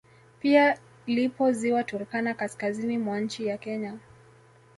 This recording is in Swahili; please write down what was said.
Pia lipo ziwa Turkana kaskazini mwa nchi ya Kenya